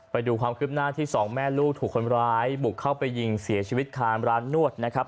ไปดูความคืบหน้าที่สองแม่ลูกถูกคนร้ายบุกเข้าไปยิงเสียชีวิตคามร้านนวดนะครับ